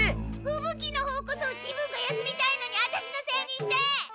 ふぶ鬼のほうこそ自分が休みたいのにアタシのせいにして！